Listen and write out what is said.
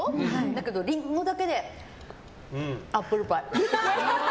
だけどリンゴだけでアップルパイ。